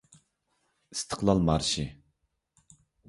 ئىستىقلال مارشى